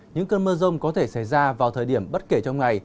những cơn mưa rông có thể xảy ra vào thời điểm bất kể trong ngày